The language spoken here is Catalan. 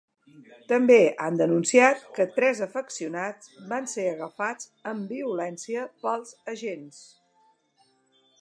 També han denunciat que tres afeccionats van ser agafats ‘amb violència’ pels agents.